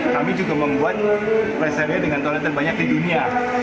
kami juga membuat rest area dengan toilet terbanyak di dunia